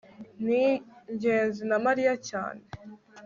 ni ngenzi na mariya cyane